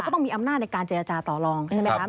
ต้องมีอำนาจในการเจรจาต่อลองใช่ไหมครับ